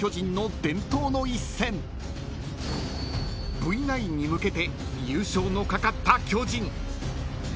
［Ｖ９に向けて優勝の懸かった巨人］